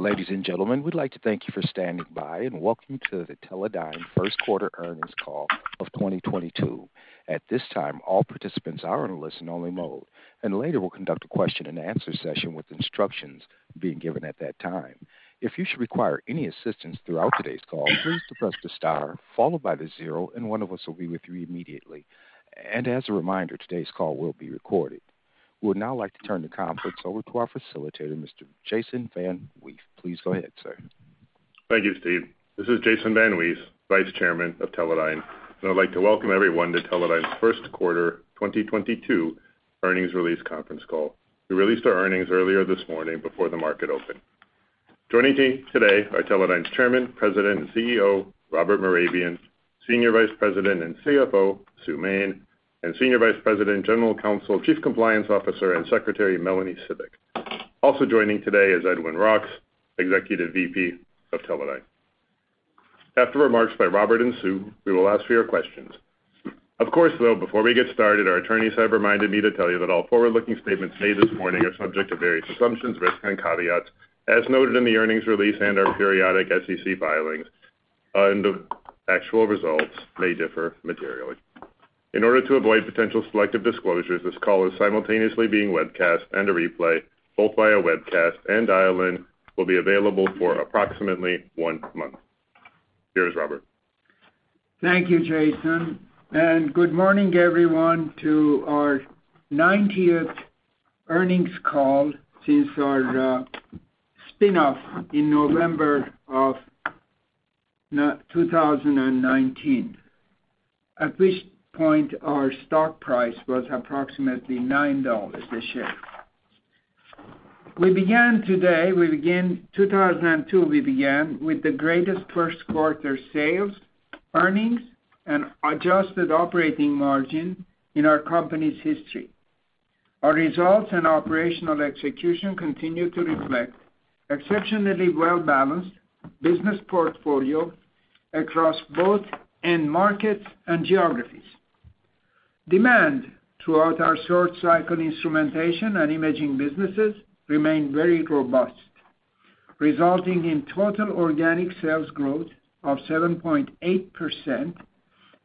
Ladies and gentlemen, we'd like to thank you for standing by and welcome to the Teledyne first quarter earnings call of 2022. At this time, all participants are in a listen-only mode, and later we'll conduct a question-and-answer session with instructions being given at that time. If you should require any assistance throughout today's call, please press star followed by zero, and one of us will be with you immediately. As a reminder, today's call will be recorded. We would now like to turn the conference over to our facilitator, Mr. Jason VanWees. Please go ahead, sir. Thank you, Steve. This is Jason VanWees, Vice Chairman of Teledyne, and I'd like to welcome everyone to Teledyne's first quarter 2022 earnings release conference call. We released our earnings earlier this morning before the market opened. Joining me today are Teledyne's Chairman, President, and CEO, Robert Mehrabian, Senior Vice President and CFO, Sue Main, and Senior Vice President, General Counsel, Chief Compliance Officer, and Secretary, Melanie Cibik. Also joining today is Edwin Roks, Executive VP of Teledyne. After remarks by Robert and Sue, we will ask for your questions. Of course, though, before we get started, our attorneys have reminded me to tell you that all forward-looking statements made this morning are subject to various assumptions, risks, and caveats as noted in the earnings release and our periodic SEC filings, and the actual results may differ materially. In order to avoid potential selective disclosures, this call is simultaneously being webcast and a replay, both via webcast and dial-in, will be available for approximately one month. Here's Robert. Thank you, Jason, and good morning everyone to our 90th earnings call since our spin-off in November of 2019, at which point our stock price was approximately $9 a share. We began 2022 with the greatest first quarter sales, earnings, and adjusted operating margin in our company's history. Our results and operational execution continue to reflect exceptionally well-balanced business portfolio across both end markets and geographies. Demand throughout our short cycle instrumentation and imaging businesses remain very robust, resulting in total organic sales growth of 7.8%,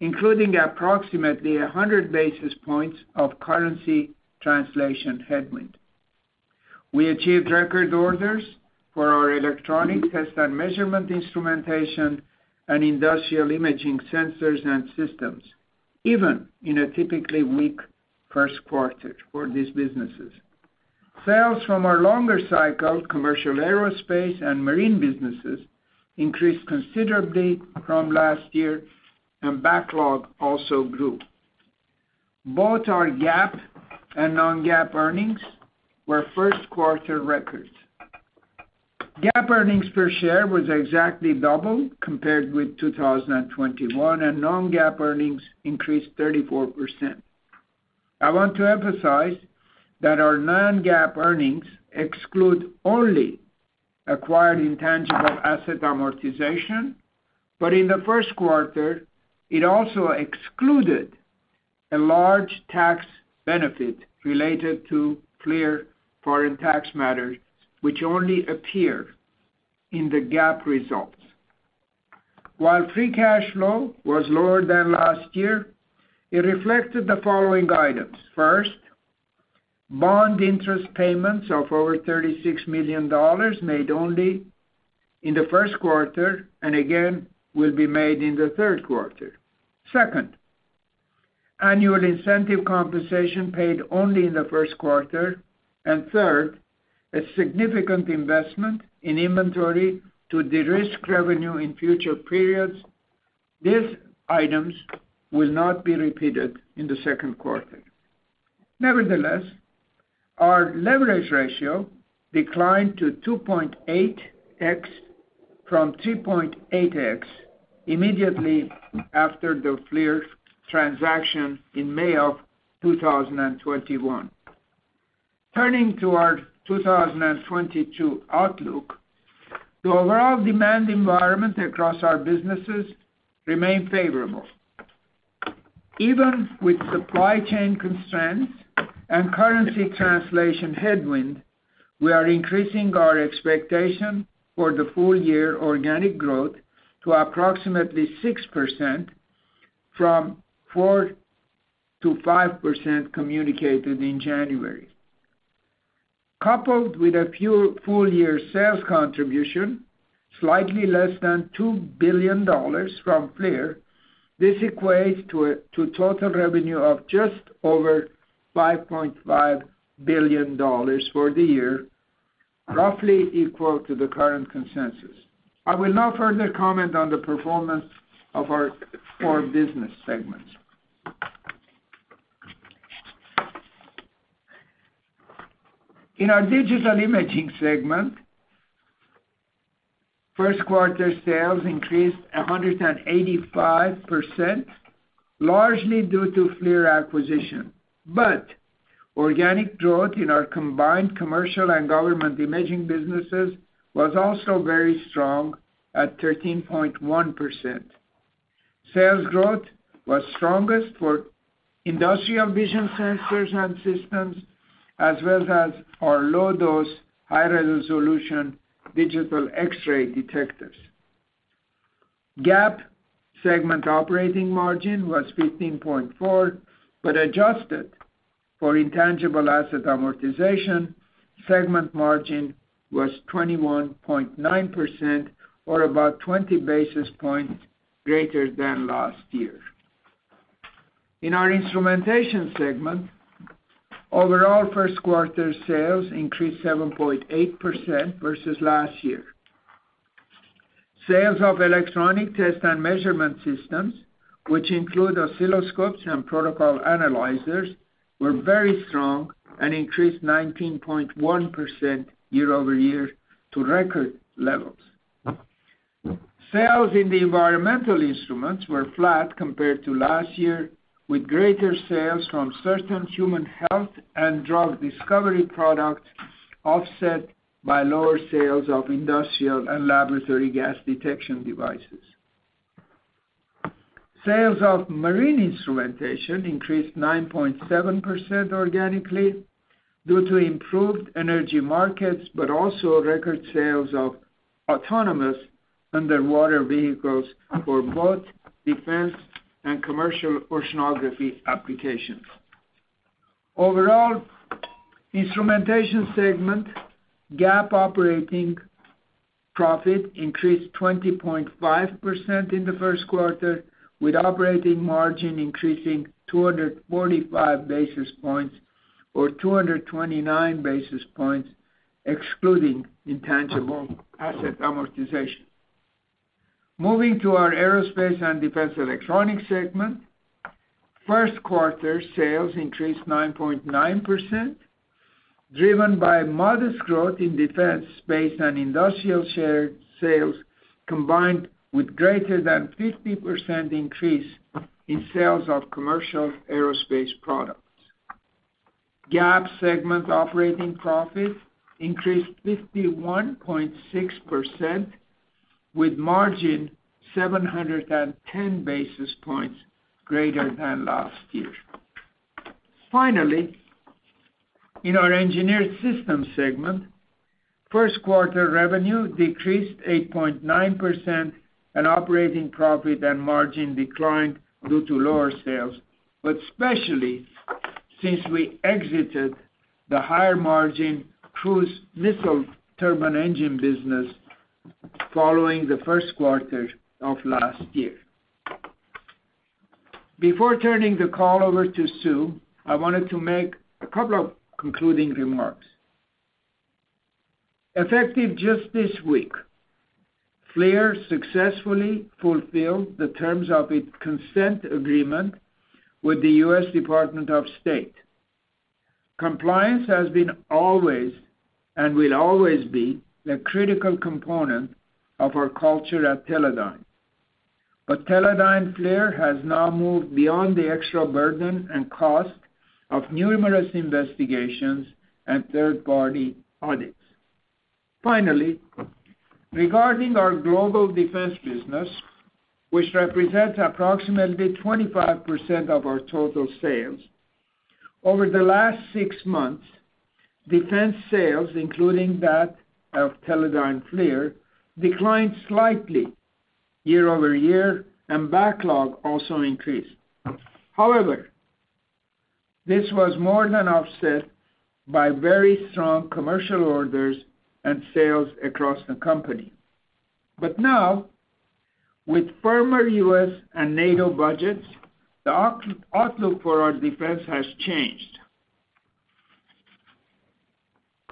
including approximately 100 basis points of currency translation headwind. We achieved record orders for our electronic test and measurement instrumentation and industrial imaging sensors and systems, even in a typically weak first quarter for these businesses. Sales from our longer cycle, commercial aerospace and marine businesses, increased considerably from last year and backlog also grew. Both our GAAP and non-GAAP earnings were first quarter records. GAAP earnings per share was exactly double compared with 2021, and non-GAAP earnings increased 34%. I want to emphasize that our non-GAAP earnings exclude only acquired intangible asset amortization, but in the first quarter, it also excluded a large tax benefit related to FLIR foreign tax matters, which only appear in the GAAP results. While free cash flow was lower than last year, it reflected the following items. First, bond interest payments of over $36 million made only in the first quarter, and again, will be made in the third quarter. Second, annual incentive compensation paid only in the first quarter. Third, a significant investment in inventory to de-risk revenue in future periods. These items will not be repeated in the second quarter. Nevertheless, our leverage ratio declined to 2.8x from 3.8x immediately after the FLIR transaction in May of 2021. Turning to our 2022 outlook, the overall demand environment across our businesses remain favorable. Even with supply chain constraints and currency translation headwind, we are increasing our expectation for the full year organic growth to approximately 6% from 4-5% communicated in January. Coupled with a full year sales contribution, slightly less than $2 billion from FLIR, this equates to total revenue of just over $5.5 billion for the year, roughly equal to the current consensus. I will now further comment on the performance of our four business segments. In our Digital Imaging segment, first quarter sales increased 185%, largely due to FLIR acquisition. Organic growth in our combined commercial and government imaging businesses was also very strong at 13.1%. Sales growth was strongest for industrial vision sensors and systems, as well as our low-dose high-resolution digital X-ray detectors. GAAP segment operating margin was 15.4%, but adjusted for intangible asset amortization, segment margin was 21.9% or about twenty basis points greater than last year. In our Instrumentation segment, overall first quarter sales increased 7.8% versus last year. Sales of electronic test and measurement systems, which include oscilloscopes and protocol analyzers, were very strong and increased 19.1% year-over-year to record levels. Sales in the environmental instruments were flat compared to last year, with greater sales from certain human health and drug discovery products offset by lower sales of industrial and laboratory gas detection devices. Sales of marine instrumentation increased 9.7% organically due to improved energy markets, but also record sales of autonomous underwater vehicles for both defense and commercial oceanography applications. Overall, Instrumentation segment GAAP operating profit increased 20.5% in the first quarter, with operating margin increasing 245 basis points or 229 basis points excluding intangible asset amortization. Moving to our Aerospace and Defense Electronics segment, first quarter sales increased 9.9%, driven by modest growth in defense space and industrial shared sales combined with greater than 50% increase in sales of commercial aerospace products. GAAP segment operating profit increased 51.6% with margin 710 basis points greater than last year. Finally, in our Engineered Systems segment, first quarter revenue decreased 8.9% and operating profit and margin declined due to lower sales, but especially since we exited the higher margin cruise missile turbine engine business following the first quarter of last year. Before turning the call over to Sue, I wanted to make a couple of concluding remarks. Effective just this week, FLIR successfully fulfilled the terms of its Consent Agreement with the U.S. Department of State. Compliance has been always and will always be the critical component of our culture at Teledyne. But Teledyne FLIR has now moved beyond the extra burden and cost of numerous investigations and third-party audits. Finally, regarding our global defense business, which represents approximately 25% of our total sales. Over the last six months, defense sales, including that of Teledyne FLIR, declined slightly year over year, and backlog also increased. However, this was more than offset by very strong commercial orders and sales across the company. Now, with firmer U.S. and NATO budgets, the outlook for our defense has changed,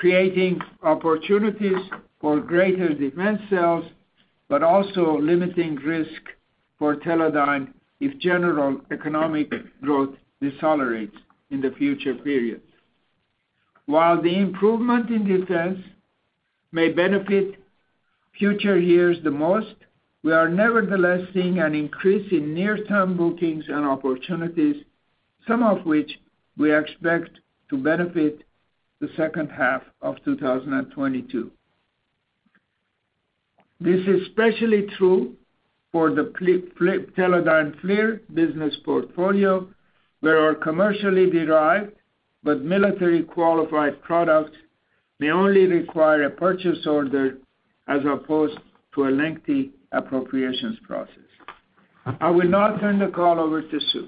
creating opportunities for greater defense sales, but also limiting risk for Teledyne if general economic growth decelerates in the future periods. While the improvement in defense may benefit future years the most, we are nevertheless seeing an increase in near-term bookings and opportunities, some of which we expect to benefit the second half of 2022. This is especially true for the Teledyne FLIR business portfolio, where our commercially derived but military qualified products may only require a purchase order as opposed to a lengthy appropriations process. I will now turn the call over to Sue.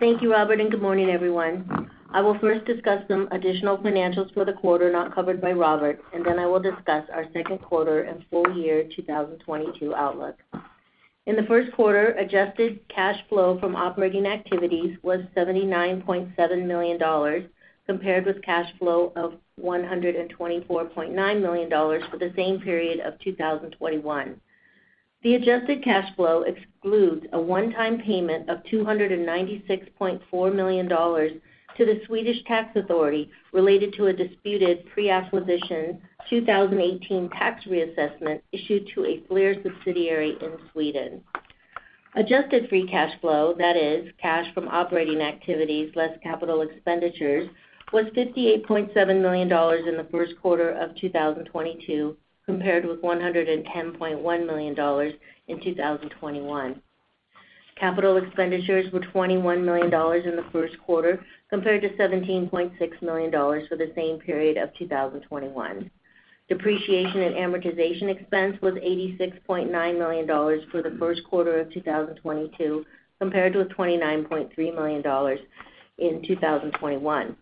Thank you, Robert, and good morning, everyone. I will first discuss some additional financials for the quarter not covered by Robert, and then I will discuss our second quarter and full year 2022 outlook. In the first quarter, adjusted cash flow from operating activities was $79.7 million, compared with cash flow of $124.9 million for the same period of 2021. The adjusted cash flow excludes a one-time payment of $296.4 million to the Swedish Tax Authority related to a disputed pre-acquisition 2018 tax reassessment issued to a FLIR subsidiary in Sweden. Adjusted free cash flow, that is cash from operating activities less capital expenditures, was $58.7 million in the first quarter of 2022, compared with $110.1 million in 2021. Capital expenditures were $21 million in the first quarter compared to $17.6 million for the same period of 2021. Depreciation and amortization expense was $86.9 million for the first quarter of 2022 compared to a $29.3 million in 2021.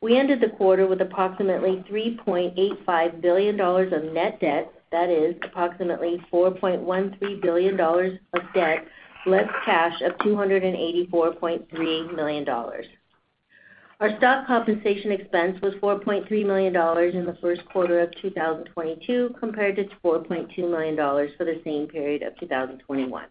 We ended the quarter with approximately $3.85 billion of net debt, that is approximately $4.13 billion of debt, less cash of $284.3 million. Our stock compensation expense was $4.3 million in the first quarter of 2022 compared to $4.2 million for the same period of 2021.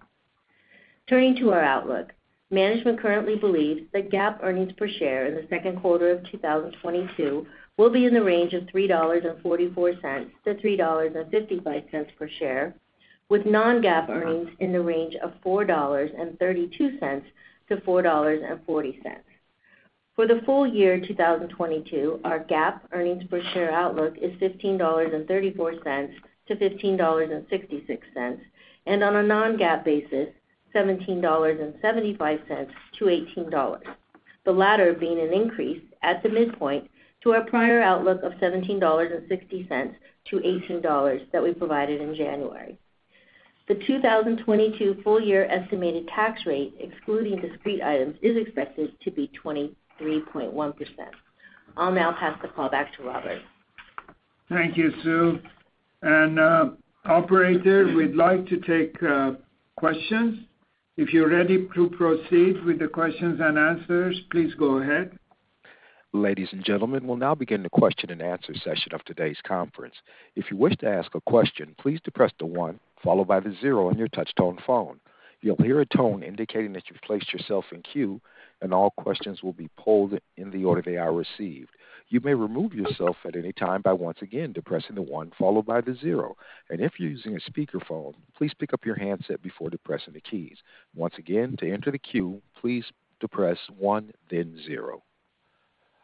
Turning to our outlook. Management currently believes that GAAP earnings per share in the second quarter of 2022 will be in the range of $3.44-$3.55 per share, with non-GAAP earnings in the range of $4.32-$4.40. For the full year 2022, our GAAP earnings per share outlook is $15.34-$15.66, and on a non-GAAP basis, $17.75-$18. The latter being an increase at the midpoint to our prior outlook of $17.60-$18 that we provided in January. The 2022 full year estimated tax rate, excluding discrete items, is expected to be 23.1%. I'll now pass the call back to Robert. Thank you, Sue. Operator, we'd like to take questions. If you're ready to proceed with the questions and answers, please go ahead. Ladies and gentlemen, we'll now begin the question-and-answer session of today's conference. If you wish to ask a question, please depress the one followed by the zero on your touch tone phone. You'll hear a tone indicating that you've placed yourself in queue, and all questions will be pulled in the order they are received. You may remove yourself at any time by once again depressing the one followed by the zero. If you're using a speaker phone, please pick up your handset before depressing the keys. Once again, to enter the queue, please depress one then zero.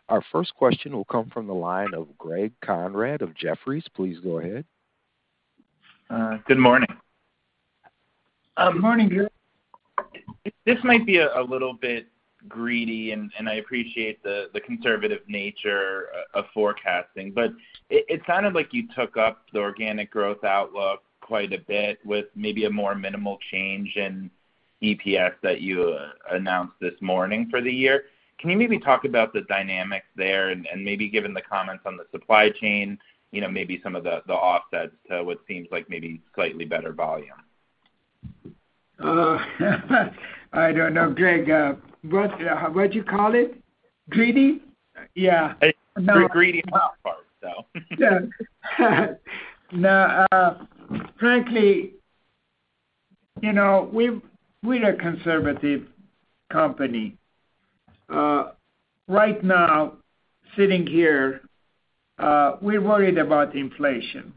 Our first question will come from the line of Greg Konrad of Jefferies. Please go ahead. Good morning. Morning, Greg. This might be a little bit greedy, and I appreciate the conservative nature of forecasting, but it sounded like you took up the organic growth outlook quite a bit with maybe a more minimal change in EPS that you announced this morning for the year. Can you maybe talk about the dynamics there and maybe given the comments on the supply chain maybe some of the offsets to what seems like maybe slightly better volume? I don't know, Greg. What'd you call it? Greedy? Yeah. A pretty greedy. No. Frankly we're a conservative company. Right now, sitting here, we're worried about inflation,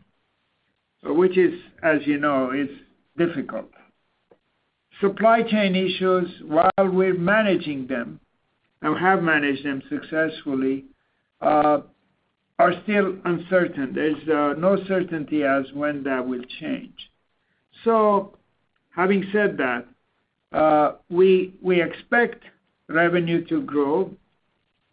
which, as is difficult. Supply chain issues while we're managing them, and we have managed them successfully, are still uncertain. There's no certainty as to when that will change. Having said that, we expect revenue to grow.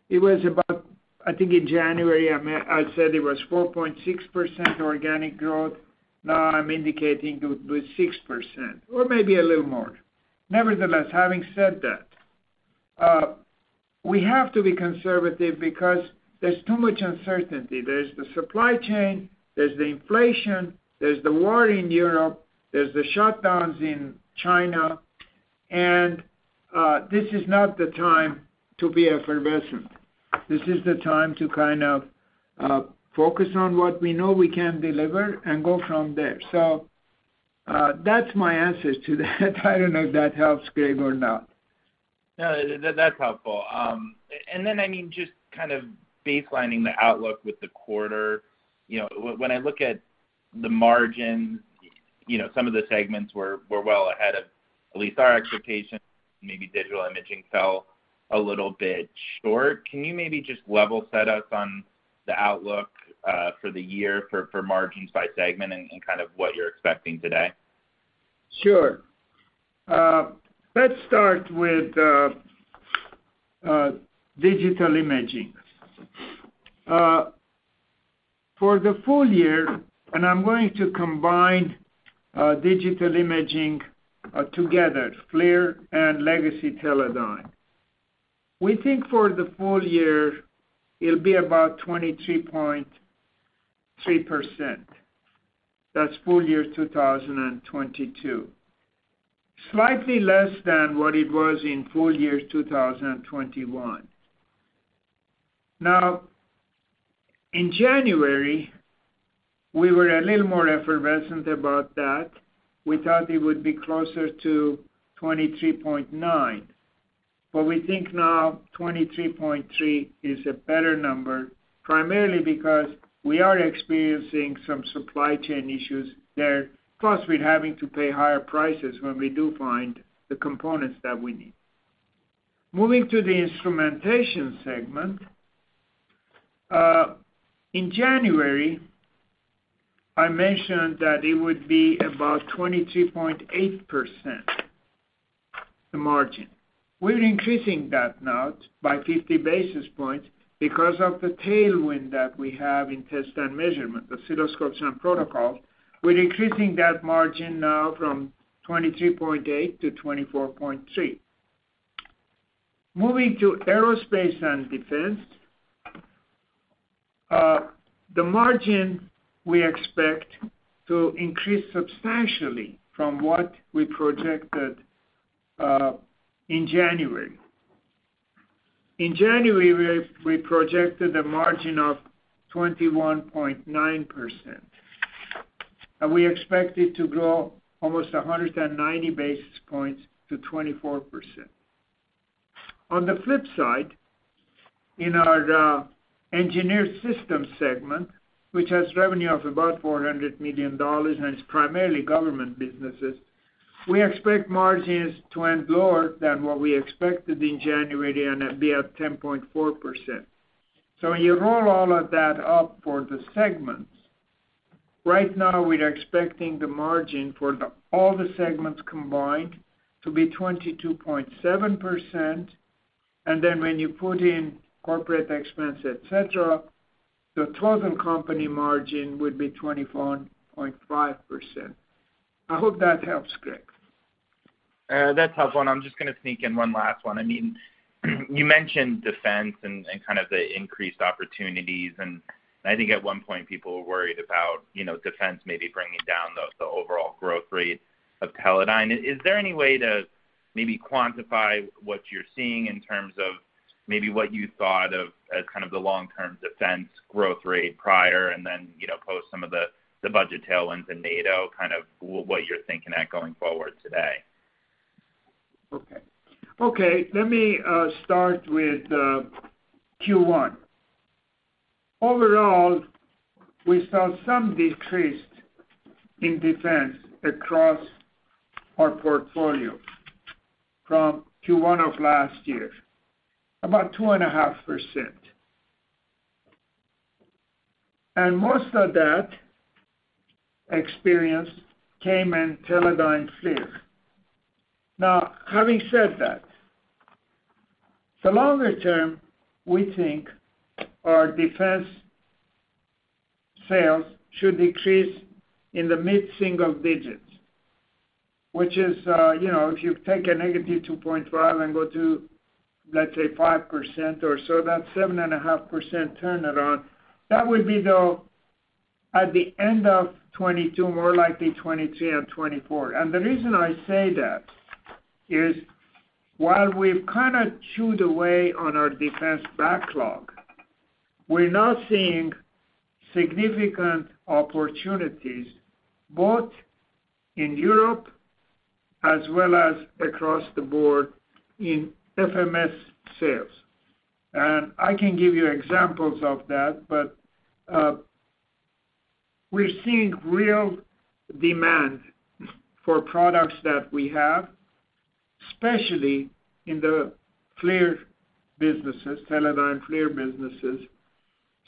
It was about, I think, in January, I said it was 4.6% organic growth. Now I'm indicating 6% or maybe a little more. Nevertheless, having said that, we have to be conservative because there's too much uncertainty. There's the supply chain, there's the inflation, there's the war in Europe, there's the shutdowns in China, and this is not the time to be effervescent. This is the time to kind of focus on what we know we can deliver and go from there. That's my answer to that. I don't know if that helps, Greg, or not. No, that's helpful. I mean, just kind of baselining the outlook with the quarter when I look at the margin some of the segments were well ahead of at least our expectations, maybe Digital Imaging fell a little bit short. Can you maybe just level set us on the outlook for the year for margins by segment and kind of what you're expecting today? Sure. Let's start with digital imaging. For the full year, I'm going to combine digital imaging together, FLIR and legacy Teledyne. We think for the full year it'll be about 23.3%. That's full year 2022. Slightly less than what it was in full year 2021. Now, in January, we were a little more effervescent about that. We thought it would be closer to 23.9%, but we think now 23.3% is a better number, primarily because we are experiencing some supply chain issues there. Plus, we're having to pay higher prices when we do find the components that we need. Moving to the Instrumentation segment. In January, I mentioned that it would be about 23.8%, the margin. We're increasing that now by 50 basis points because of the tailwind that we have in Test and Measurement, the oscilloscopes and protocol. We're increasing that margin now from 23.8 to 24.3. Moving to Aerospace and Defense. The margin we expect to increase substantially from what we projected in January. In January, we projected a margin of 21.9%, and we expect it to grow almost 190 basis points to 24%. On the flip side, in our Engineered Systems segment, which has revenue of about $400 million and it's primarily government businesses, we expect margins to end lower than what we expected in January, and it'd be at 10.4%. When you roll all of that up for the segments, right now we're expecting the margin for all the segments combined to be 22.7%. When you put in corporate expense, et cetera, the total company margin would be 24.5%. I hope that helps, Greg. That's helpful. I'm just gonna sneak in one last one. I mean, you mentioned defense and kind of the increased opportunities. I think at one point people were worried about defense maybe bringing down the overall growth rate of Teledyne. Is there any way to maybe quantify what you're seeing in terms of maybe what you thought of as kind of the long-term defense growth rate prior and then, you know, post some of the budget tailwinds in NATO, kind of what you're thinking at going forward today? Okay, let me start with Q1. Overall, we saw some decrease in defense across our portfolio from Q1 of last year, about 2.5%. Most of that experience came in Teledyne FLIR. Now, having said that, for longer term, we think our defense sales should decrease in the mid-single digits, which is if you take a -2.5 and go to, let's say, 5% or so, that's 7.5% turnaround. That would be, though, at the end of 2022, more likely 2023 and 2024. The reason I say that is while we've kind of chewed away on our defense backlog, we're not seeing significant opportunities both in Europe as well as across the board in FMS sales. I can give you examples of that, but we're seeing real demand for products that we have, especially in the FLIR businesses, Teledyne FLIR businesses.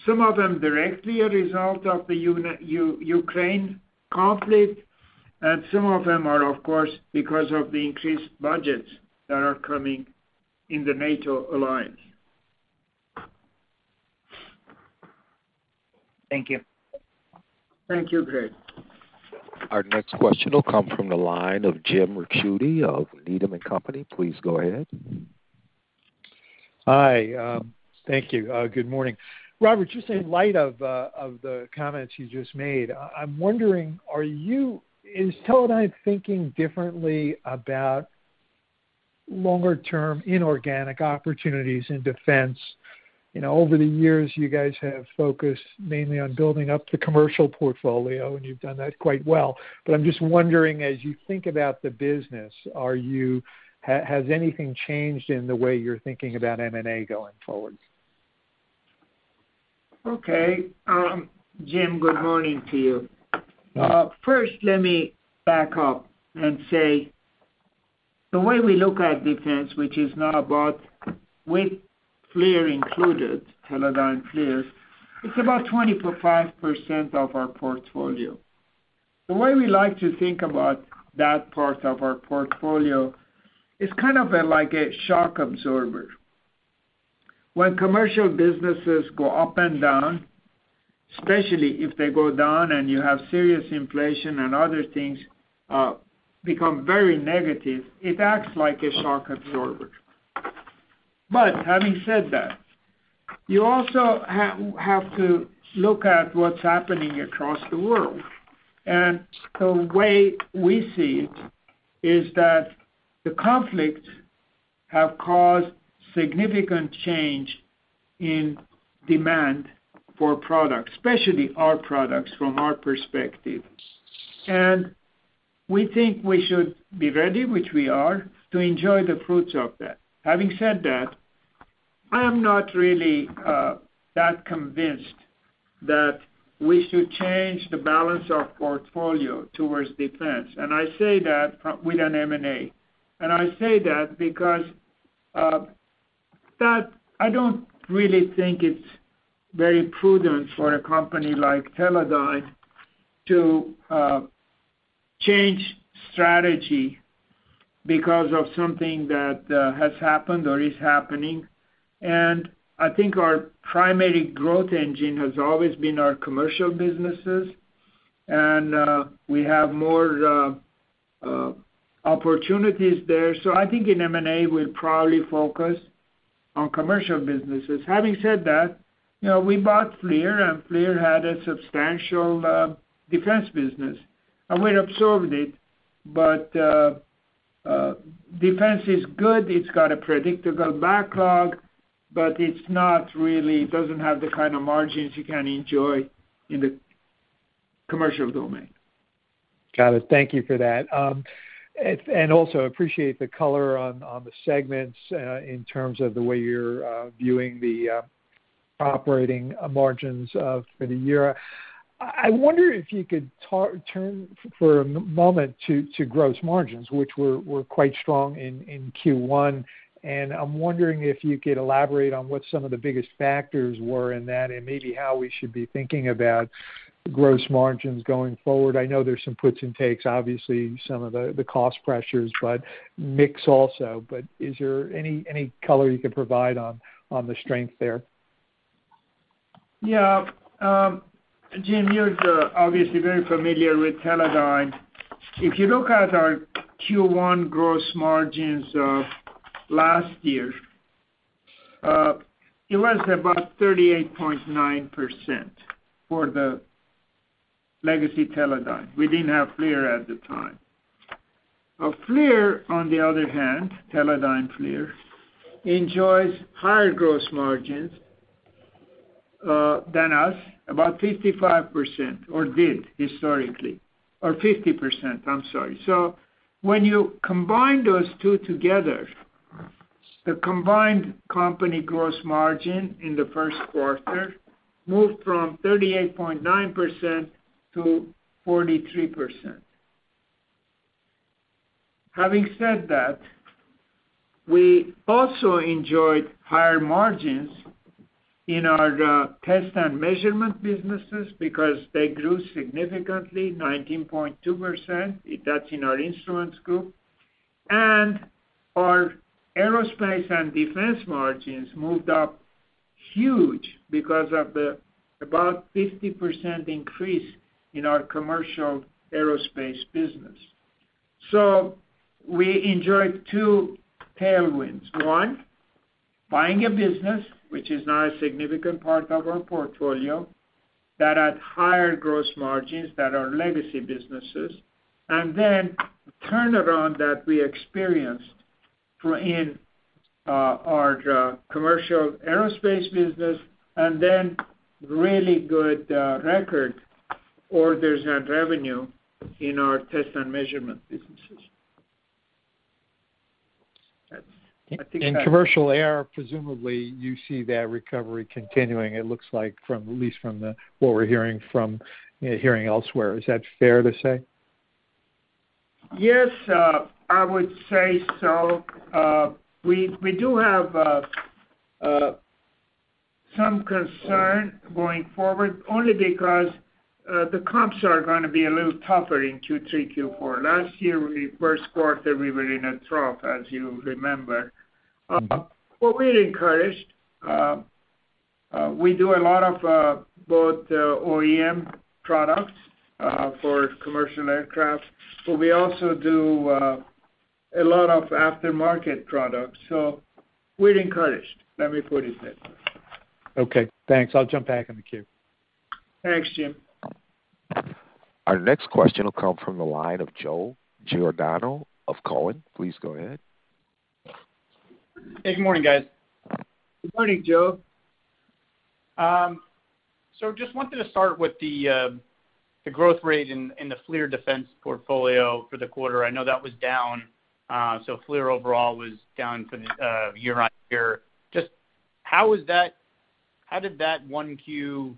Some of them directly are result of the Ukraine conflict, and some of them are, of course, because of the increased budgets that are coming in the NATO alliance. Thank you. Thank you, Greg. Our next question will come from the line of Jim Ricchiuti of Needham & Company. Please go ahead. Hi, thank you. Good morning. Robert, just in light of the comments you just made, I'm wondering, is Teledyne thinking differently about longer term inorganic opportunities in defense? over the years, you guys have focused mainly on building up the commercial portfolio, and you've done that quite well. I'm just wondering, as you think about the business, has anything changed in the way you're thinking about M&A going forward? Okay. Jim, good morning to you. First, let me back up and say the way we look at defense, which is now about, with FLIR included, Teledyne FLIR, it's about 25% of our portfolio. The way we like to think about that part of our portfolio is kind of like a shock absorber. When commercial businesses go up and down, especially if they go down and you have serious inflation and other things become very negative, it acts like a shock absorber. But having said that, you also have to look at what's happening across the world. The way we see it is that the conflict have caused significant change in demand for products, especially our products from our perspective. We think we should be ready, which we are, to enjoy the fruits of that. Having said that, I'm not really that convinced that we should change the balance of portfolio towards defense. I say that with an M&A. I say that because that I don't really think it's very prudent for a company like Teledyne to change strategy because of something that has happened or is happening. I think our primary growth engine has always been our commercial businesses, and we have more opportunities there. I think in M&A, we'll probably focus on commercial businesses. Having said that we bought FLIR, and FLIR had a substantial defense business, and we absorbed it. defense is good. It's got a predictable backlog, but it doesn't have the kind of margins you can enjoy in the commercial domain. Got it. Thank you for that. Also appreciate the color on the segments in terms of the way you're viewing the operating margins for the year. I wonder if you could turn for a moment to gross margins, which were quite strong in Q1. I'm wondering if you could elaborate on what some of the biggest factors were in that and maybe how we should be thinking about gross margins going forward. I know there's some puts and takes, obviously, some of the cost pressures, but mix also. Is there any color you could provide on the strength there? Yeah. Jim, you're obviously very familiar with Teledyne. If you look at our Q1 gross margins of last year, it was about 38.9% for the legacy Teledyne. We didn't have FLIR at the time. FLIR, on the other hand, Teledyne FLIR, enjoys higher gross margins than us, about 55% or did historically, or 50%, I'm sorry. When you combine those two together, the combined company gross margin in the first quarter moved from 38.9% to 43%. Having said that, we also enjoyed higher margins in our test and measurement businesses because they grew significantly, 19.2%, that's in our instruments group. Our aerospace and defense margins moved up huge because of the about 50% increase in our commercial aerospace business. We enjoyed two tailwinds. One, buying a business which is now a significant part of our portfolio that had higher gross margins than our legacy businesses. The turnaround that we experienced in our commercial aerospace business and then really good record orders and revenue in our test and measurement businesses. That's. I think that. In commercial air, presumably you see that recovery continuing, it looks like from what we're hearing elsewhere. Is that fair to say? Yes, I would say so. We do have some concern going forward, only because the comps are gonna be a little tougher in Q3, Q4. Last year, first quarter, we were in a trough, as you remember. We're encouraged. We do a lot of both OEM products for commercial aircraft, but we also do a lot of after-market products, so we're encouraged. Let me put it that way. Okay, thanks. I'll jump back in the queue. Thanks, Jim. Our next question will come from the line of Joe Giordano of Cowen. Please go ahead. Hey, good morning, guys. Good morning, Joe. Just wanted to start with the growth rate in the FLIR defense portfolio for the quarter. I know that was down, so FLIR overall was down for the year-over-year. How did that one Q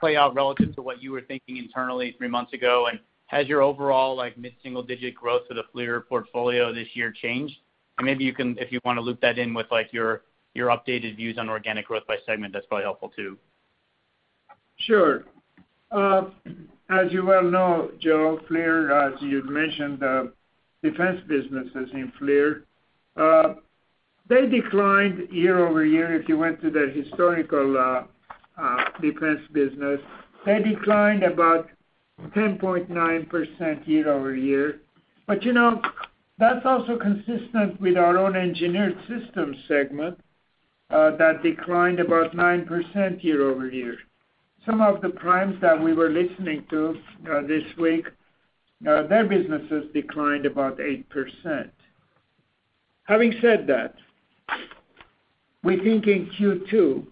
play out relative to what you were thinking internally three months ago? Has your overall, like, mid-single-digit growth of the FLIR portfolio this year changed? Maybe you can, if you wanna loop that in with, like, your updated views on organic growth by segment, that's probably helpful too. Sure. As you well know, Joe, FLIR, as you've mentioned, defense businesses in FLIR, they declined year-over-year. If you went to the historical, defense business, they declined about 10.9% year-over-year. You know, that's also consistent with our own Engineered Systems segment, that declined about 9% year-over-year. Some of the primes that we were listening to, this week, their businesses declined about 8%. Having said that, we think in Q2,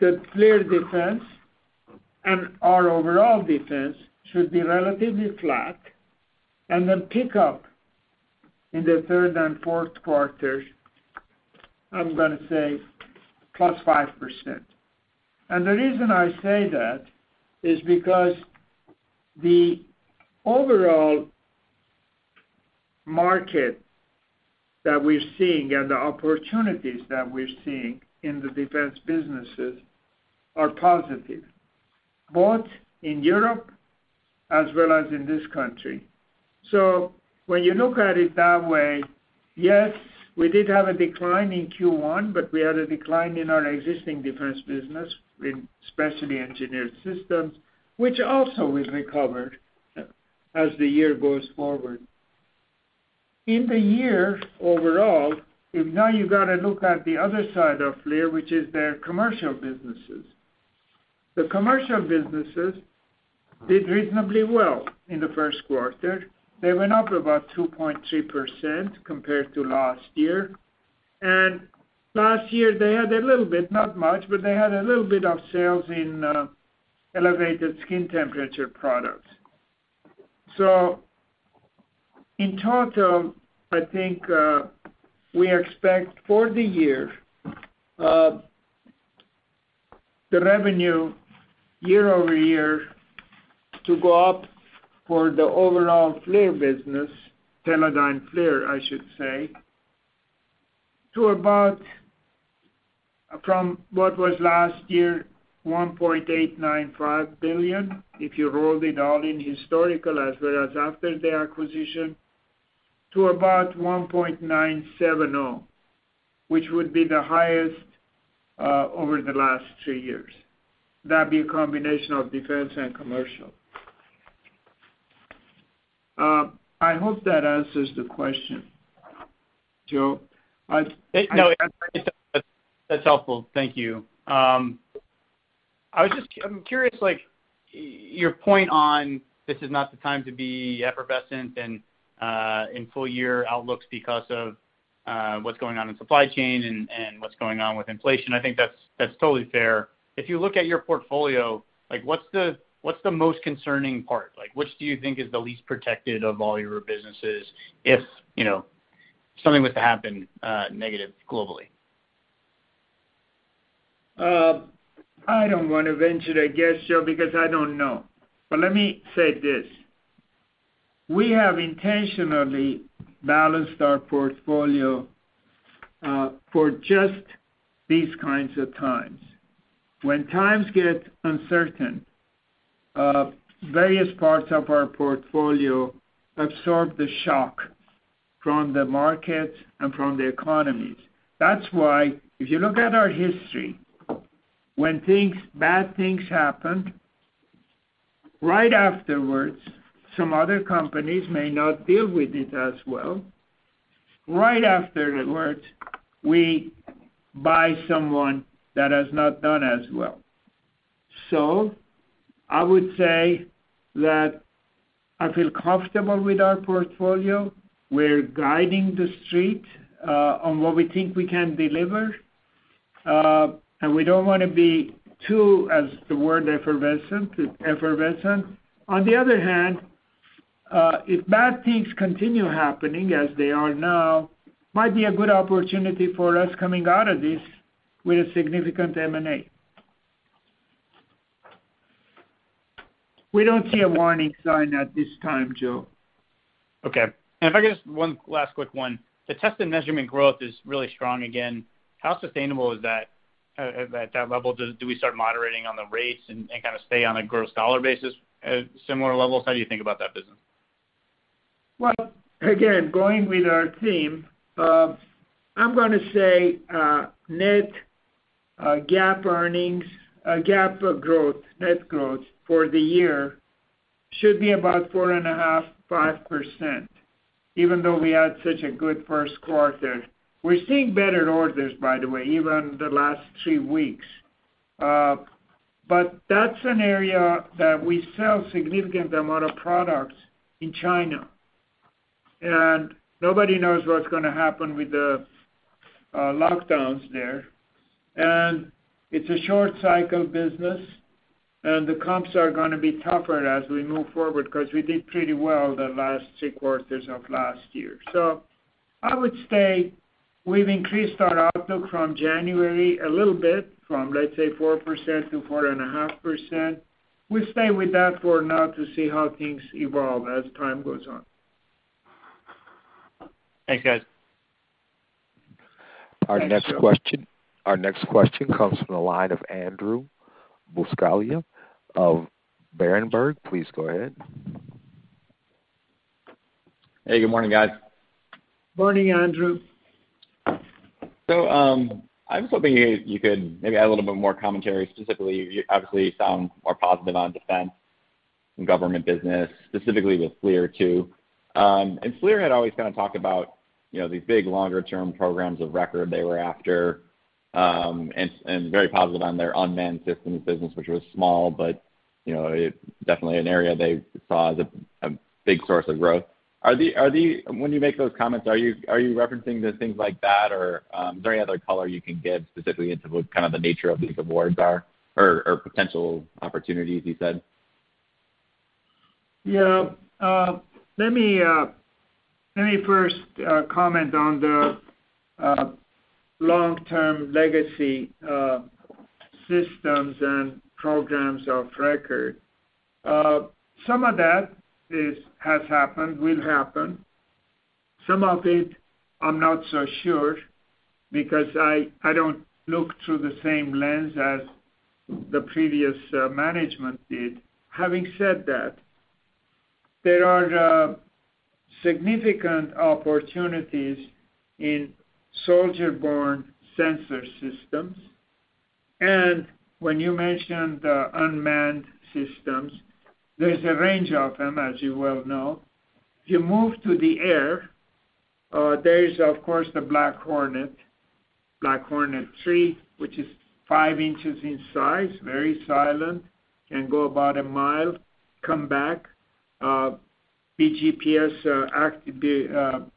the FLIR defense and our overall defense should be relatively flat and then pick up in the third and fourth quarters, I'm gonna say, 0.5%. The reason I say that is because the overall market that we're seeing and the opportunities that we're seeing in the defense businesses are positive, both in Europe as well as in this country. When you look at it that way, yes, we did have a decline in Q1, but we had a decline in our existing defense business, in especially Engineered Systems, which also will recover as the year goes forward. In the year overall, and now you gotta look at the other side of FLIR, which is their commercial businesses. The commercial businesses did reasonably well in the first quarter. They went up about 2.2% compared to last year. Last year they had a little bit, not much, but they had a little bit of sales in elevated skin temperature products. In total, I think, we expect for the year, the revenue year-over-year to go up for the overall FLIR business, Teledyne FLIR, I should say, to about from what was last year, $1.895 billion, if you rolled it all in historical as well as after the acquisition, to about $1.970 billion, which would be the highest over the last two years. That'd be a combination of defense and commercial. I hope that answers the question, Joe. No, that's helpful. Thank you. I'm curious, like, your point on this is not the time to be effervescent and in full year outlooks because of what's going on in supply chain and what's going on with inflation. I think that's totally fair. If you look at your portfolio, like, what's the most concerning part? Like, which do you think is the least protected of all your businesses if something was to happen negative globally? I don't wanna venture to guess, Joe, because I don't know. Let me say this. We have intentionally balanced our portfolio for just these kinds of times. When times get uncertain, various parts of our portfolio absorb the shock from the markets and from the economies. That's why if you look at our history, when things, bad things happened, right afterwards, some other companies may not deal with it as well. Right afterwards, we buy someone that has not done as well. I would say that I feel comfortable with our portfolio. We're guiding the street on what we think we can deliver, and we don't wanna be too, as the word effervescent. On the other hand, if bad things continue happening as they are now, might be a good opportunity for us coming out of this with a significant M&A. We don't see a warning sign at this time, Joe. Okay. If I could just one last quick one. The test and measurement growth is really strong again. How sustainable is that at that level? Do we start moderating on the rates and kinda stay on a gross dollar basis at similar levels? How do you think about that business? Well, again, going with our theme, I'm gonna say, net GAAP earnings, GAAP growth, net growth for the year should be about 4.5-5%, even though we had such a good first quarter. We're seeing better orders, by the way, even in the last three weeks. That's an area that we sell significant amount of products in China. Nobody knows what's gonna happen with the lockdowns there. It's a short cycle business, and the comps are gonna be tougher as we move forward 'cause we did pretty well the last six quarters of last year. I would say we've increased our outlook from January a little bit, let's say, 4% to 4.5%. We'll stay with that for now to see how things evolve as time goes on. Thanks, guys. Thanks, Joe. Our next question comes from the line of Andrew Buscaglia of Berenberg. Please go ahead. Hey, good morning, guys. Morning, Andrew. I was hoping you could maybe add a little bit more commentary specifically. You obviously sound more positive on defense and government business, specifically with FLIR, too. FLIR had always kinda talked about, you know, these big longer term programs of record they were after, and very positive on their unmanned systems business, which was small, but it's definitely an area they saw as a big source of growth. When you make those comments, are you referencing the things like that? Or, is there any other color you can give specifically into what kind of the nature of these awards are or potential opportunities you said? Yeah. Let me first comment on the long-term legacy systems and programs of record. Some of that has happened, will happen. Some of it I'm not so sure because I don't look through the same lens as the previous management did. Having said that, there are significant opportunities in soldier-borne sensor systems. When you mention the unmanned systems, there's a range of them, as you well know. If you move to the air, there is of course the Black Hornet, Black Hornet 3, which is five inches in size, very silent, can go about a mile, come back, perform in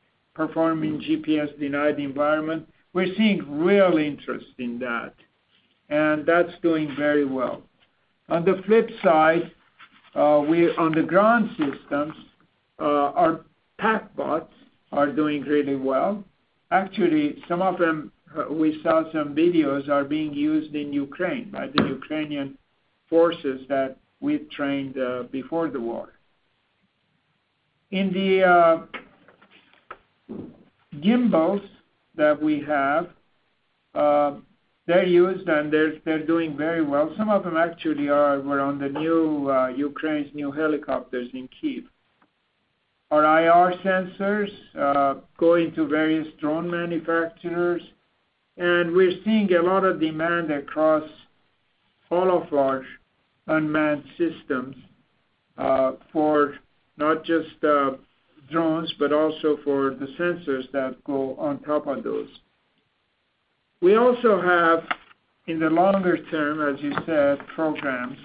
GPS-denied environment. We're seeing real interest in that, and that's doing very well. On the flip side, on the ground systems, our PackBots are doing really well. Actually, some of them, we saw some videos are being used in Ukraine by the Ukrainian forces that we've trained, before the war. In the gimbals that we have, they're used and they're doing very well. Some of them actually were on the new Ukraine's new helicopters in Kyiv. Our IR sensors going to various drone manufacturers, and we're seeing a lot of demand across all of our unmanned systems, for not just drones, but also for the sensors that go on top of those. We also have, in the longer term, as you said, programs.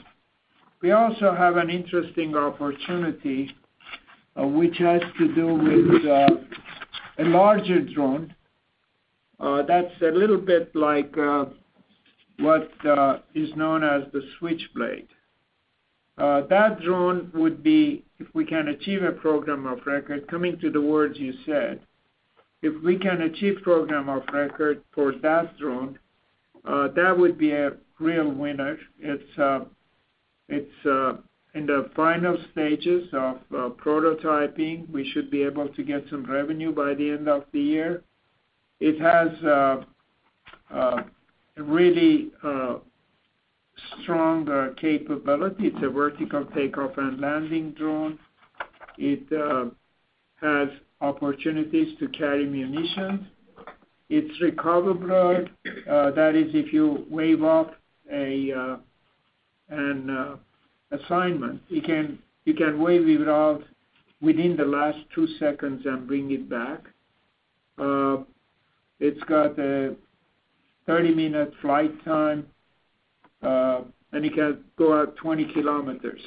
We also have an interesting opportunity, which has to do with a larger drone that's a little bit like what is known as the Switchblade. That drone would be, if we can achieve a program of record, coming to the words you said, if we can achieve program of record for that drone, that would be a real winner. It's in the final stages of prototyping. We should be able to get some revenue by the end of the year. It has really strong capability. It's a vertical take-off and landing drone. It has opportunities to carry munitions. It's recoverable. That is, if you wave off an assignment, you can wave it off within the last two seconds and bring it back. It's got a 30-minute flight time, and it can go out 20 kilometers.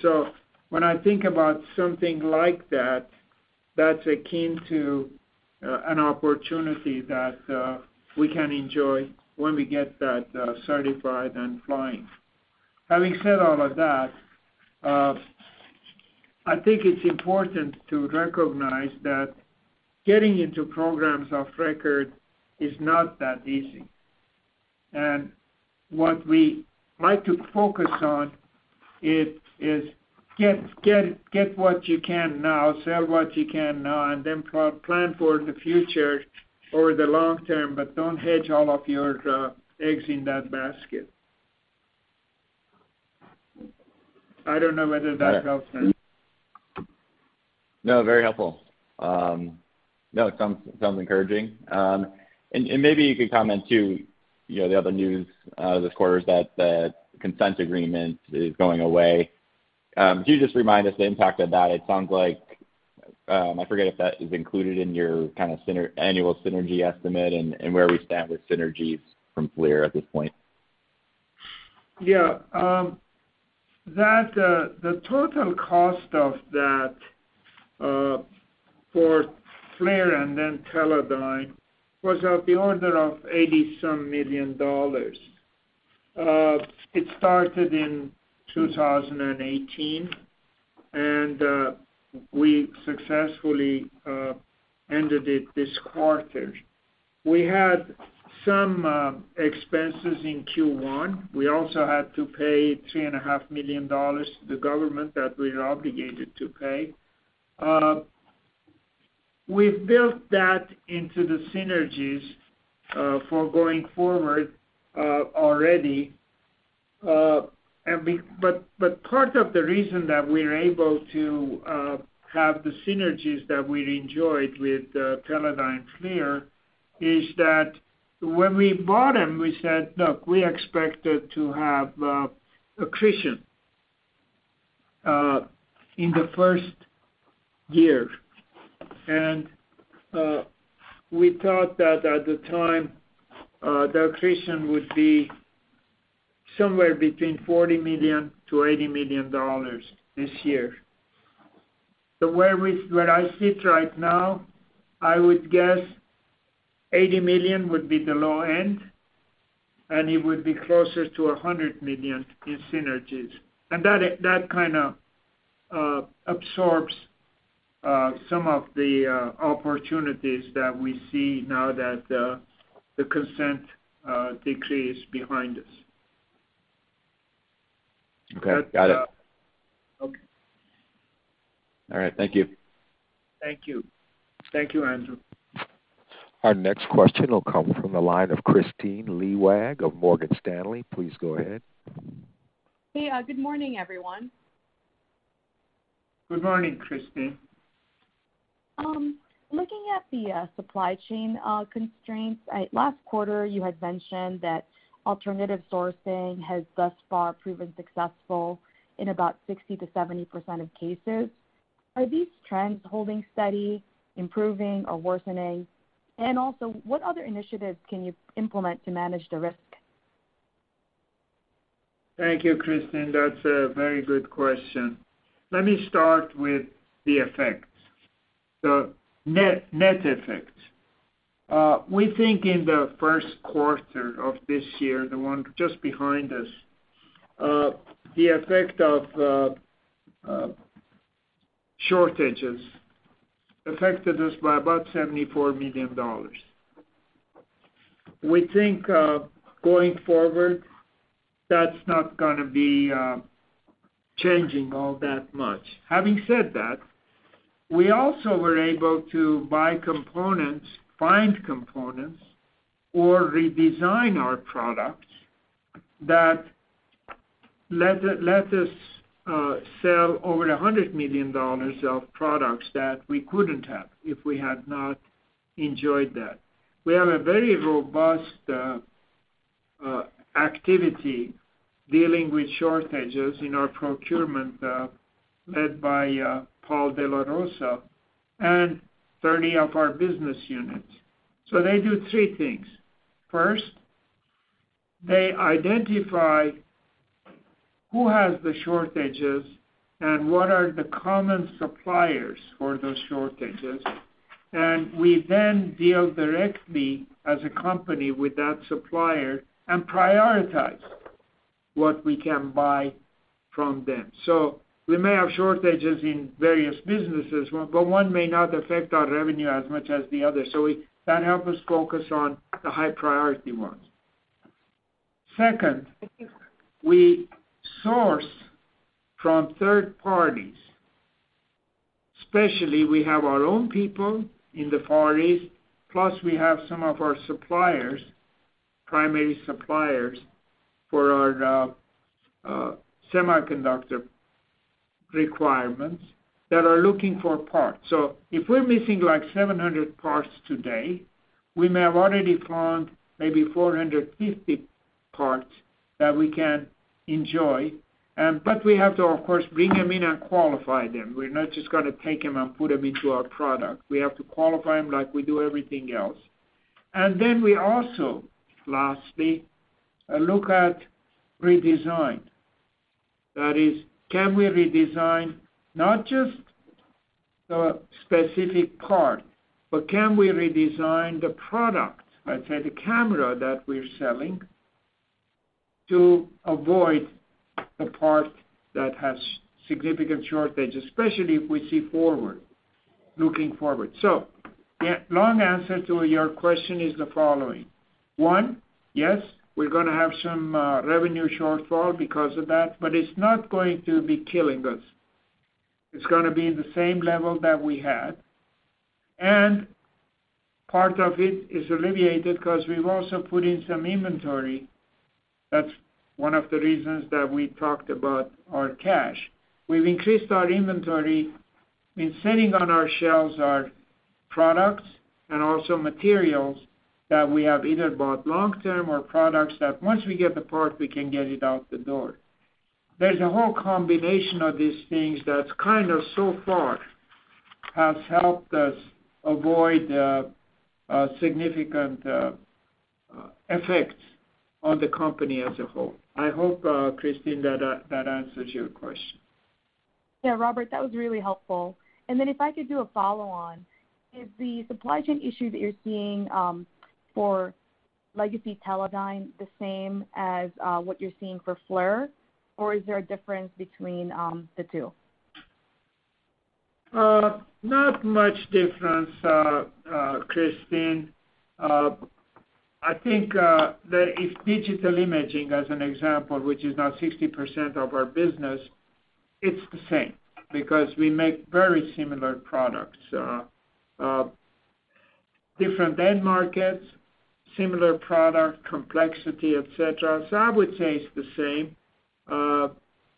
When I think about something like that's akin to an opportunity that we can enjoy when we get that certified and flying. Having said all of that, I think it's important to recognize that getting into programs of record is not that easy. What we like to focus on is get what you can now, sell what you can now, and then plan for the future over the long term, but don't hedge all of your eggs in that basket. I don't know whether that helps then. No, very helpful. No, it sounds encouraging. Maybe you could comment too, you know, the other news this quarter is that the Consent Agreement is going away. Can you just remind us the impact of that? It sounds like, I forget if that is included in your kind of annual synergy estimate and where we stand with synergies from FLIR at this point. Yeah. The total cost of that for FLIR and then Teledyne was of the order of $80-some million. It started in 2018, and we successfully ended it this quarter. We had some expenses in Q1. We also had to pay $3.5 million to the government that we're obligated to pay. We've built that into the synergies for going forward already. But part of the reason that we're able to have the synergies that we enjoyed with Teledyne FLIR is that when we bought them, we said, "Look, we expected to have accretion in the first year." We thought that at the time, the accretion would be somewhere between $40 million-$80 million this year. Where I sit right now, I would guess $80 million would be the low end, and it would be closer to $100 million in synergies. That kind of absorbs some of the opportunities that we see now that the consent decree is behind us. Okay, got it. Okay. All right. Thank you. Thank you. Thank you, Andrew. Our next question will come from the line of Kristine Liwag of Morgan Stanley. Please go ahead. Hey, good morning, everyone. Good morning, Kristine. Looking at the supply chain constraints, last quarter, you had mentioned that alternative sourcing has thus far proven successful in about 60%-70% of cases. Are these trends holding steady, improving or worsening? And also, what other initiatives can you implement to manage the risk? Thank you, Kristine. That's a very good question. Let me start with the effects, the net effect. We think in the first quarter of this year, the one just behind us, the effect of shortages affected us by about $74 million. We think, going forward, that's not gonna be changing all that much. Having said that, we also were able to buy components, find components or redesign our products that let us sell over $100 million of products that we couldn't have if we had not enjoyed that. We have a very robust activity dealing with shortages in our procurement, led by Paul DeLaRosa and 30 of our business units. They do three things. First, they identify who has the shortages and what are the common suppliers for those shortages. We then deal directly as a company with that supplier and prioritize what we can buy from them. We may have shortages in various businesses, but one may not affect our revenue as much as the other, that helps us focus on the high priority ones. Second, we source from third parties, especially, we have our own people in the Far East, plus we have some of our suppliers, primary suppliers for our semiconductor requirements that are looking for parts. If we're missing, like, 700 parts today, we may have already found maybe 450 parts that we can employ, but we have to, of course, bring them in and qualify them. We're not just gonna take them and put them into our product. We have to qualify them like we do everything else. We also, lastly, look at redesign. That is, can we redesign not just the specific part, but can we redesign the product? Let's say the camera that we're selling to avoid the part that has significant shortage, especially if we see forward, looking forward. The long answer to your question is the following. One, yes, we're gonna have some revenue shortfall because of that, but it's not going to be killing us. It's gonna be the same level that we had. Part of it is alleviated 'cause we've also put in some inventory. That's one of the reasons that we talked about our cash. We've increased our inventory sitting on our shelves are products and also materials that we have either bought long-term or products that once we get the part, we can get it out the door. There's a whole combination of these things that's kind of so far has helped us avoid significant effects on the company as a whole. I hope, Kristine, that answers your question. Yeah, Robert, that was really helpful. If I could do a follow on, is the supply chain issue that you're seeing for legacy Teledyne the same as what you're seeing for FLIR, or is there a difference between the two? Not much difference, Kristine. I think that if Digital Imaging, as an example, which is now 60% of our business, it's the same because we make very similar products. Different end markets, similar product complexity, et cetera. I would say it's the same.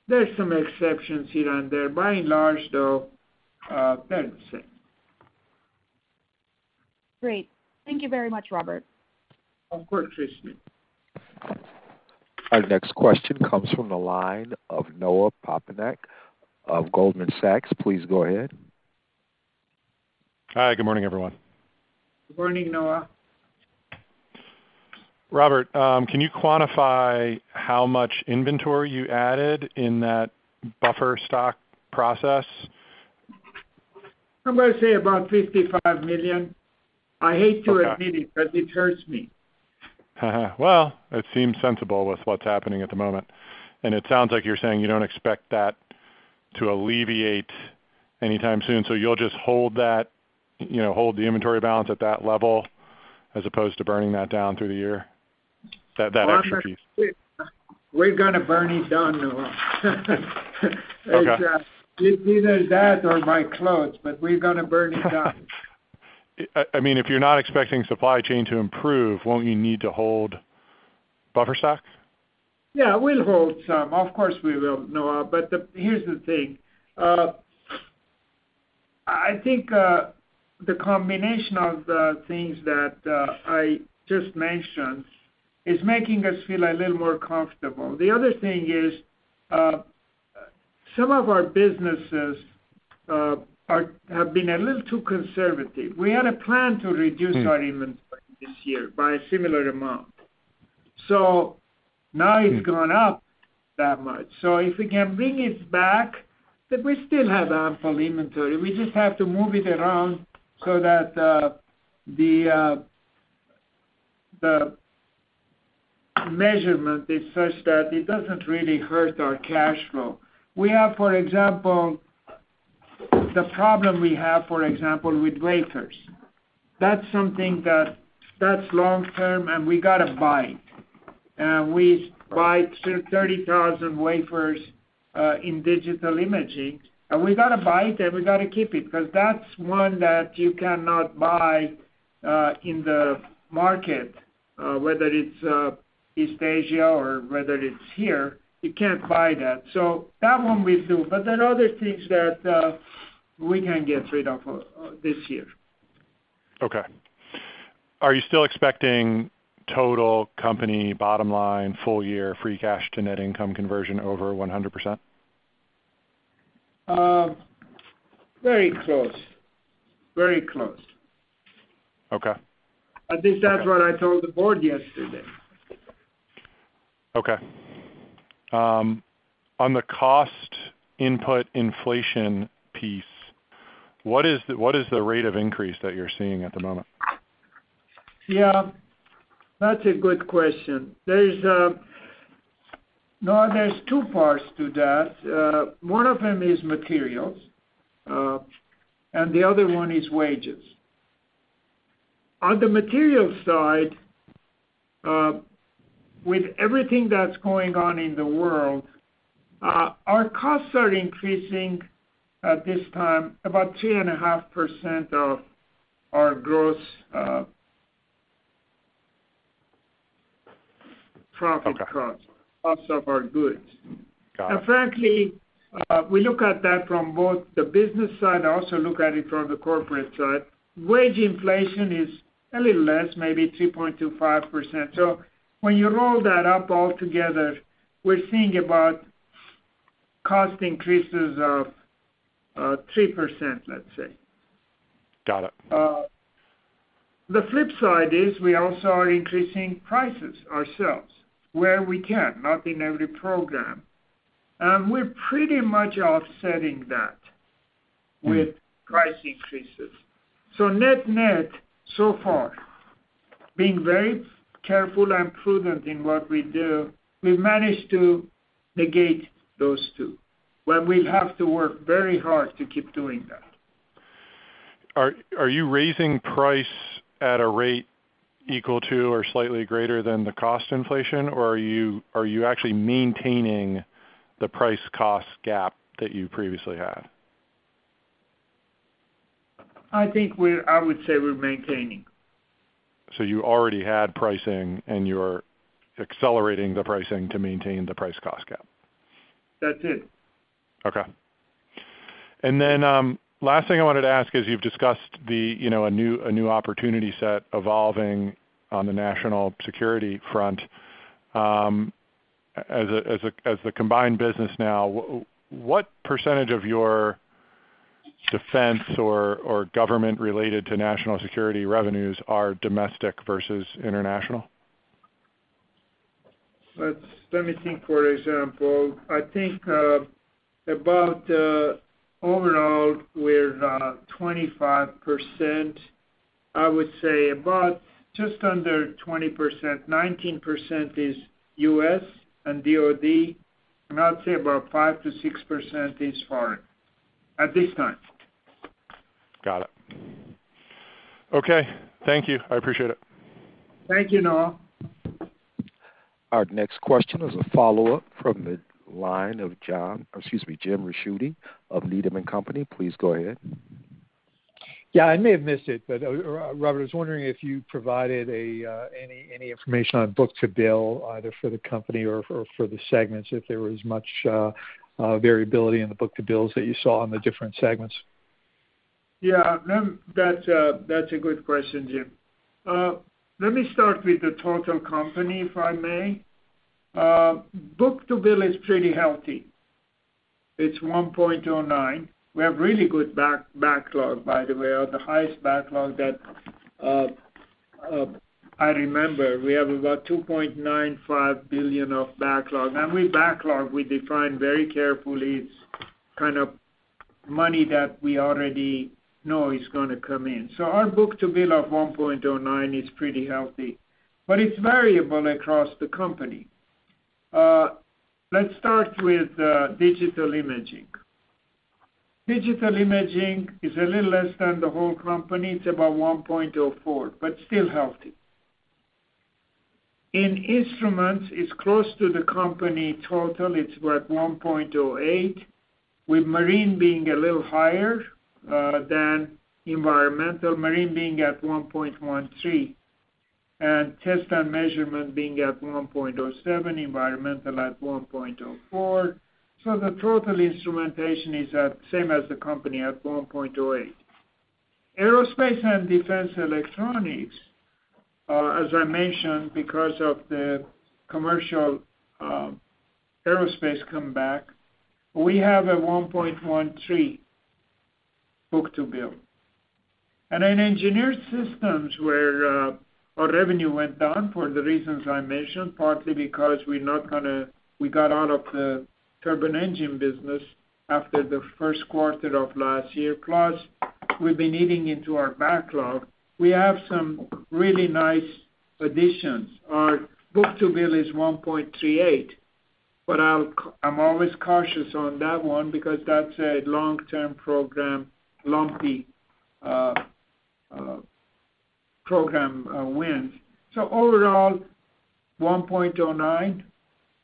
There's some exceptions here and there. By and large, though, they're the same. Great. Thank you very much, Robert. Of course, Kristine. Our next question comes from the line of Noah Poponak of Goldman Sachs. Please go ahead. Hi, good morning, everyone. Good morning, Noah. Robert, can you quantify how much inventory you added in that buffer stock process? I'm gonna say about $55 million. Okay. I hate to admit it, but it hurts me. Well, it seems sensible with what's happening at the moment, and it sounds like you're saying you don't expect that to alleviate anytime soon, so you'll just hold that hold the inventory balance at that level as opposed to burning that down through the year, that extra piece? We're gonna burn it down, Noah. Okay. It's either that or my clothes, but we're gonna burn it down. I mean, if you're not expecting supply chain to improve, won't you need to hold buffer stock? Yeah, we'll hold some. Of course we will, Noah. Here's the thing. I think the combination of the things that I just mentioned is making us feel a little more comfortable. The other thing is, some of our businesses have been a little too conservative. We had a plan to reduce. Our inventory this year by a similar amount. Now it's gone up that much. If we can bring it back, then we still have ample inventory. We just have to move it around so that the measurement is such that it doesn't really hurt our cash flow. We have, for example, the problem we have, for example, with wafers. That's something that that's long-term, and we gotta buy it. We buy 30,000 wafers in Digital Imaging, and we gotta buy it, and we gotta keep it 'cause that's one that you cannot buy in the market whether it's East Asia or whether it's here. You can't buy that. That one we do, but there are other things that we can get rid of this year. Okay. Are you still expecting total company bottom line full year free cash to net income conversion over 100%? Very close. Very close. Okay. At least that's what I told the board yesterday. Okay. On the cost input inflation piece, what is the rate of increase that you're seeing at the moment? Yeah, that's a good question. There's Noah, there's two parts to that. One of them is materials, and the other one is wages. On the material side, with everything that's going on in the world, our costs are increasing at this time about 3.5% of our gross profit. Okay. cost of our goods. Got it. Frankly, we look at that from both the business side, also look at it from the corporate side. Wage inflation is a little less, maybe 3.25%. When you roll that up all together, we're seeing about cost increases of 3%, let's say. Got it. The flip side is we also are increasing prices ourselves where we can, not in every program. We're pretty much offsetting that with price increases. Net-net, so far, being very careful and prudent in what we do, we've managed to negate those two, but we'll have to work very hard to keep doing that. Are you raising price at a rate equal to or slightly greater than the cost inflation, or are you actually maintaining the price cost gap that you previously had? I would say we're maintaining. you already had pricing, and you're accelerating the pricing to maintain the price cost gap. That's it. Okay. Last thing I wanted to ask is you've discussed the a new opportunity set evolving on the national security front. As the combined business now, what percentage of your defense or government related to national security revenues are domestic versus international? For example. I think about overall we're 25%. I would say about just under 20%, 19% is U.S. and DOD, and I would say about 5%-6% is foreign, at this time. Got it. Okay. Thank you. I appreciate it. Thank you, Noah. Our next question is a follow-up from the line of Jim Ricchiuti of Needham & Company. Please go ahead. Yeah, I may have missed it, but Robert, I was wondering if you provided any information on book-to-bill, either for the company or for the segments, if there was much variability in the book-to-bills that you saw in the different segments. That's a good question, Jim. Let me start with the total company, if I may. Book-to-bill is pretty healthy. It's 1.09. We have really good backlog, by the way, the highest backlog that I remember. We have about $2.95 billion of backlog. Backlog, we define very carefully. It's kind of money that we already know is gonna come in. Our book-to-bill of 1.09 is pretty healthy, but it's variable across the company. Let's start with Digital Imaging. Digital Imaging is a little less than the whole company. It's about 1.04, but still healthy. In Instrumentation, it's close to the company total. It's about 1.08, with marine being a little higher than environmental. Marine being at 1.13, and test and measurement being at 1.07, environmental at 1.04. The total Instrumentation is at same as the company at 1.08. Aerospace and Defense Electronics, as I mentioned, because of the commercial aerospace comeback, we have a 1.13 book-to-bill. In Engineered Systems where our revenue went down for the reasons I mentioned, partly because we got out of the turbine engine business after the first quarter of last year, plus we've been eating into our backlog. We have some really nice additions. Our book-to-bill is 1.38. I'm always cautious on that one because that's a long-term program, lumpy program wins. Overall, 1.09,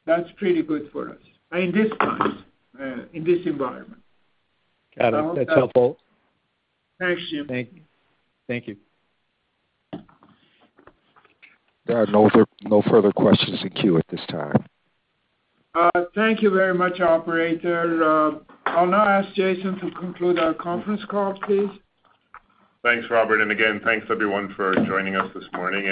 that's pretty good for us in these times, in this environment. Got it. That's helpful. Thanks, Jim. Thank you. There are no further questions in queue at this time. Thank you very much, operator. I'll now ask Jason to conclude our conference call, please. Thanks, Robert, and again, thanks, everyone, for joining us this morning.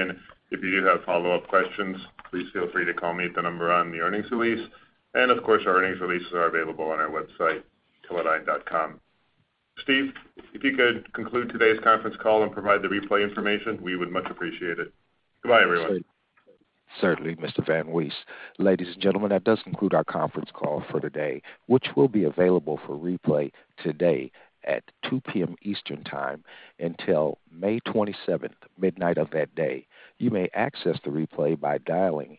If you do have follow-up questions, please feel free to call me at the number on the earnings release. Of course, our earnings releases are available on our website, teledyne.com. Steve, if you could conclude today's conference call and provide the replay information, we would much appreciate it. Goodbye, everyone. Certainly, Mr. Van Wees. Ladies and gentlemen, that does conclude our conference call for the day, which will be available for replay today at 2:00 P.M. Eastern time until May 27, midnight of that day. You may access the replay by dialing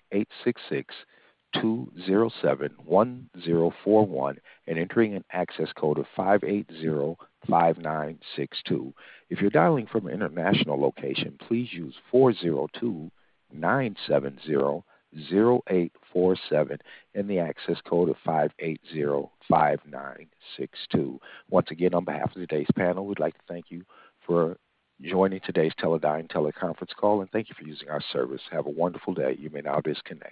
866-207-1041 and entering an access code of 580-5962. If you're dialing from an international location, please use 402-970-0847 and the access code of 580-5962. Once again, on behalf of today's panel, we'd like to thank you for joining today's Teledyne teleconference call and thank you for using our service. Have a wonderful day. You may now disconnect.